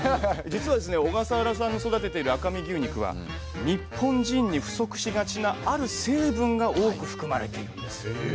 実はですね小笠原さんが育てている赤身牛肉は日本人に不足しがちなある成分が多く含まれているんですよ。え？